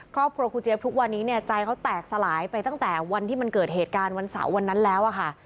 ครูเจี๊ยบทุกวันนี้เนี่ยใจเขาแตกสลายไปตั้งแต่วันที่มันเกิดเหตุการณ์วันเสาร์วันนั้นแล้วอะค่ะ